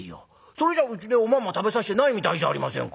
それじゃうちでおまんま食べさせてないみたいじゃありませんか」。